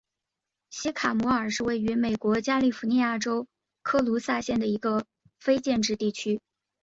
西卡莫尔是位于美国加利福尼亚州科卢萨县的一个非建制地区。